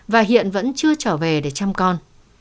và hiện vẫn chưa trở về để chăm con